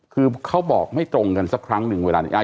คือเขาบอกไม่ตรงกันสักครั้งหนึ่งเวลานี้